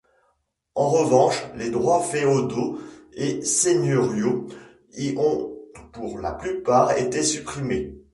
En revanche, les droits féodaux et seigneuriaux y ont pour la plupart été supprimés.